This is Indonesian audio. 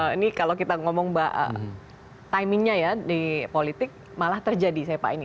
ini kalau kita ngomong timingnya ya di politik malah terjadi saya pak ini